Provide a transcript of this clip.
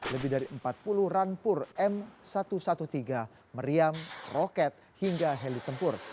lebih dari empat puluh rampur m satu ratus tiga belas meriam roket hingga heli tempur